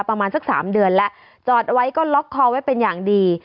ประมาณสักสามเดือนแล้วจอดไว้ก็ล็อกคอไว้เป็นอย่างดี